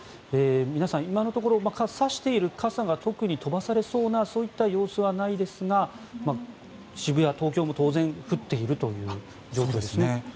皆さん、今のところ差している傘が特に飛ばされそうな様子はないですが渋谷、東京も当然降っているという状況ですね。